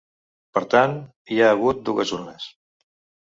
Per tant, hi ha hagut dues urnes.